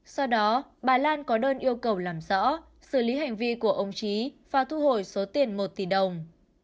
sau đó bà lan có đơn yêu cầu làm rõ xử lý hành vi của ông trí và thu hồi số tiền một tỷ đồng